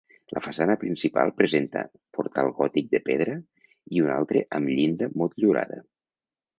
La façana principal presenta portal gòtic de pedra i un altre amb llinda motllurada.